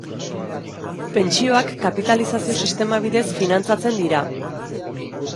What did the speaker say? Pentsioak kapitalizazio sistema bidez finantzatzen dira.